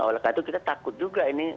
oleh karena itu kita takut juga ini